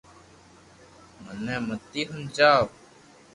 مني متي ھمجاو